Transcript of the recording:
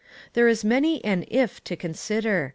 There is many an "if" to consider.